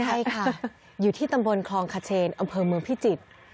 ใช่ค่ะอยู่ที่ตำบลคลองขเชนอำเภอเมืองพิจิตร